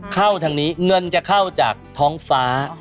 เข้าทางนี้เงินจะเข้าจากท้องฟ้า